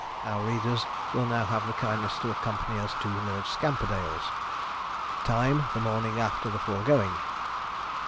Our readers will now have the kindness to accompany us to Lord Scamperdale's: time, the morning after the foregoing.